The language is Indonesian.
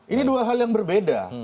ini dua hal yang berbeda